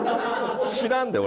知らんで、俺。